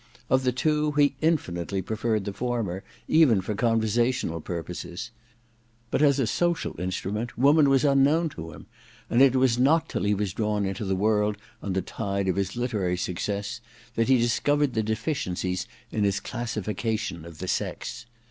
Of the two, he infinitely pre ferred the former, even for conversational purposes. But as a social instnmient woman was unknown to him ; and it was not till he was drawn into the world on the tide of his literary success that he discovered the deficiencies 30 THE DESCENT OF MAN v in his classification of the sex.